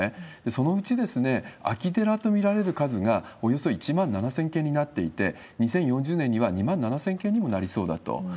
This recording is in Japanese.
そのうち空き寺と見られる数がおよそ１万７０００件になっていて、２０４０年には２万７０００件にもなりそうだと。